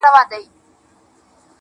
حسن که هرڅو د توازن نه عبارت دی